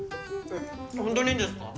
えっ本当にいいんですか？